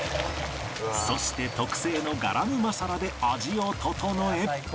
そして特製のガラムマサラで味を調え